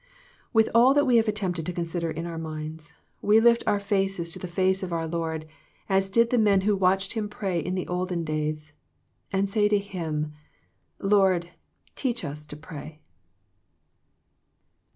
With all that we have attempted to consider in our minds, we lift our faces to the face of our Lord as did the men who watched Him pray in the olden days, and say to Him, " Lord, teach us to pray."